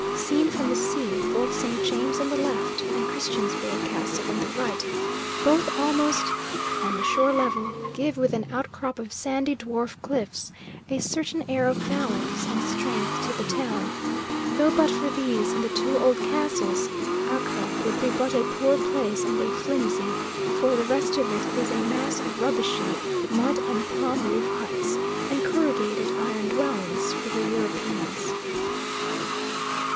Seen from the sea, Fort St. James on the left and Christiansborg Castle on the right, both almost on shore level, give, with an outcrop of sandy dwarf cliffs, a certain air of balance and strength to the town, though but for these and the two old castles, Accra would be but a poor place and a flimsy, for the rest of it is a mass of rubbishy mud and palm leaf huts, and corrugated iron dwellings for the Europeans.